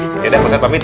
jadi pak ustadz pamit ya